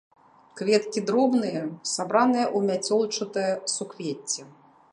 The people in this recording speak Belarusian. Кветкі дробныя, сабраныя ў мяцёлчатае суквецце.